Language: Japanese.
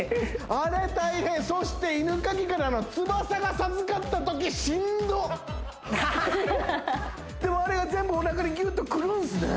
あれ大変そして犬かきからの翼が授かったときしんどっあれでもあれが全部お腹にギュッとくるんすね